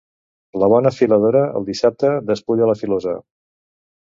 La bona filadora el dissabte despulla la filosa.